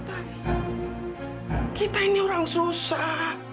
kita ini orang susah